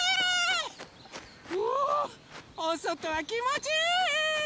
うわおそとはきもちいい！